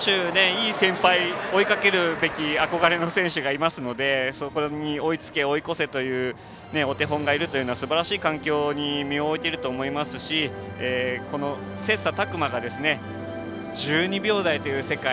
いい先輩、追いかけるべき憧れの選手がいますのでそこに追いつけ追い越せというお手本がいるのはすばらしい環境に身を置いていると思いますしこの切さたく磨が１２秒台という世界。